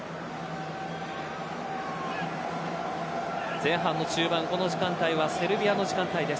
前半の中盤、この時間帯はセルビアの時間帯です。